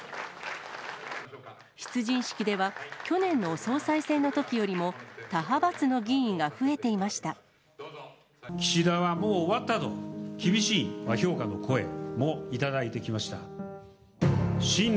出陣式では、去年の総裁選のときよりも、他派閥の議員が増えてい岸田はもう終わったと、厳しい評価の声も頂いてきました。